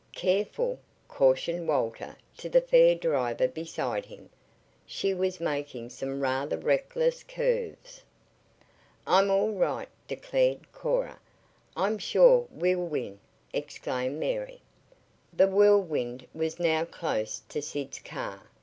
"Careful," cautioned Walter to the fair driver beside him. She was making some rather reckless curves. "I'm all right," declared Cora. "I'm sure we'll win," exclaimed Mary. The Whirlwind was now close to Sid's car.